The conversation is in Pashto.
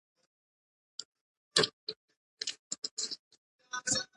که انګریزان نه پوهېدل، نو تاریخ به یې نه وو لیکلی.